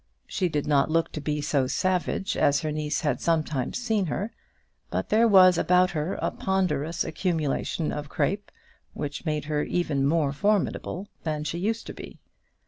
She did not look to be so savage as her niece had sometimes seen her, but there was about her a ponderous accumulation of crape, which made her even more formidable than she used to be.